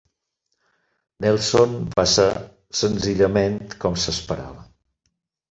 Nelson va ser senzillament com s'esperava.